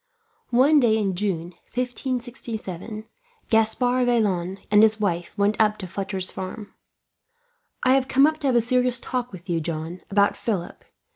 One day in June, 1567, Gaspard Vaillant and his wife went up to Fletcher's farm. "I have come up to have a serious talk with you, John, about Philip.